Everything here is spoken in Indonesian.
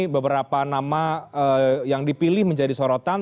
beberapa nama yang dipilih menjadi sorotan